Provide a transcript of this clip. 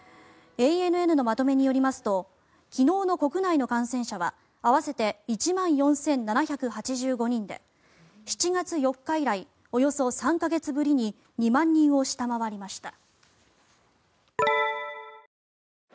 ＡＮＮのまとめによりますと昨日の国内の感染者は合わせて１万４７８５人で７月４日以来およそ３か月ぶりに２万人を下回りました。